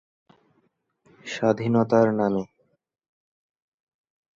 স্বাধীনতার নামে।